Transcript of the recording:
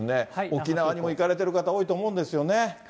沖縄にも行かれてる方、多いと思うんですよね。